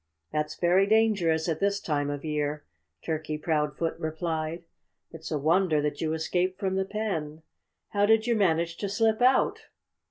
"That's very dangerous at this time of year," Turkey Proudfoot replied. "It's a wonder that you escaped from the pen. How did you manage to slip out!"